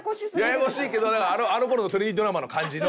ややこしいけどなんかあの頃のトレンディードラマの感じの。